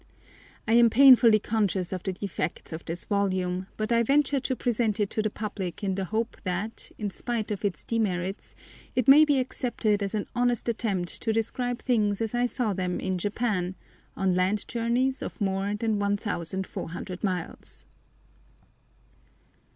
I am painfully conscious of the defects of this volume, but I venture to present it to the public in the hope that, in spite of its demerits, it may be accepted as an honest attempt to describe things as I saw them in Japan, on land journeys of more than 1400 miles.